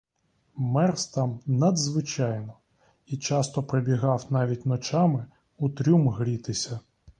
Мерз там надзвичайно і часто прибігав навіть ночами у трюм грітися.